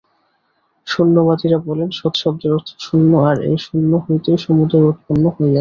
শূন্যবাদীরা বলেন, সৎ-শব্দের অর্থ শূন্য, আর এই শূন্য হইতেই সমুদয় উৎপন্ন হইয়াছে।